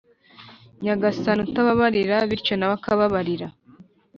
nyagasani utababarira, bityo nawe akababarira